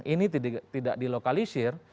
ini tidak dilokalisir